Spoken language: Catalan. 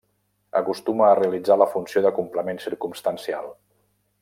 Acostuma a realitzar la funció de complement circumstancial.